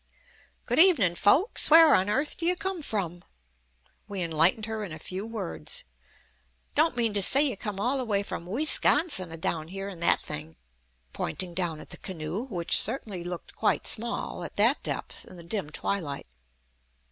"Good ev'nin', folks! Whar'n earth d' ye come from?" We enlightened her in a few words. "Don't mean t' say ye come all the way from Weesconsin a' down here in that thing?" pointing down at the canoe, which certainly looked quite small, at that depth, in the dim twilight.